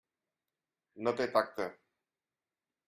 No té tacte.